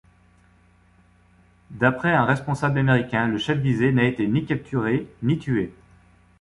D'après un responsable américain le chef visé n'a été ni capturé ni tué.